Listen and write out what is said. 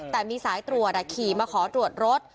แต่มีสายตรวจขี่มาขอตรวจรถ